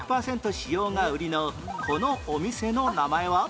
使用が売りのこのお店の名前は？